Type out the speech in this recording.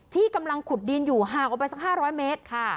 ที่กำลังขุดดินอยู่ห่างออกไปสัก๕๐๐เมตรค่ะ